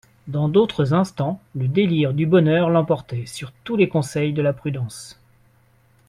Dans d'autres instants, le délire du bonheur l'emportait sur tous les conseils de la prudence.